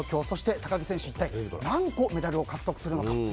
そして高木選手、一体何個メダルを獲得するのか。